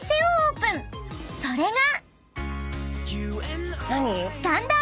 ［それが］